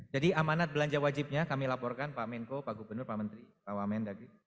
jadi amanat belanja wajibnya kami laporkan pak menko pak gubernur pak menteri pak wamen